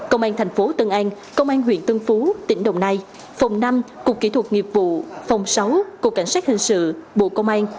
công an thành phố tân an công an huyện tân phú tỉnh đồng nai phòng năm cục kỹ thuật nghiệp vụ phòng sáu cục cảnh sát hình sự bộ công an